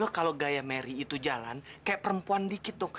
kalau gaya mary itu jalan kayak perempuan dikit dong